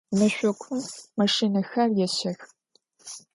Мэшӏокум машинэхэр ещэх.